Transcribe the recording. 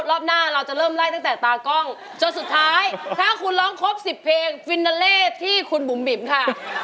รอบหน้าเราจะเริ่มไล่ตั้งแต่ตากล้องจนสุดท้ายถ้าคุณร้องครบ๑๐เพลงฟินาเล่ที่คุณบุ๋มบิ๋มค่ะ